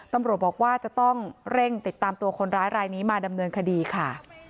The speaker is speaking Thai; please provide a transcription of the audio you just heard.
ตำรวจบอกว่าจะต้องเร่งติดตามตัวคนร้ายรายนี้มาดำเนินคดีค่ะ